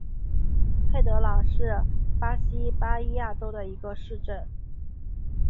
佩德朗是巴西巴伊亚州的一个市镇。